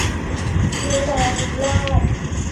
รู้แล้วรู้รอด